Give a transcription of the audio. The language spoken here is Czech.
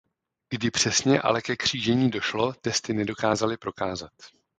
Kdy přesně ale ke křížení došlo testy nedokázaly prokázat.